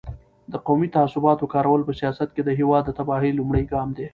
د قومي تعصباتو کارول په سیاست کې د هېواد د تباهۍ لومړی ګام دی.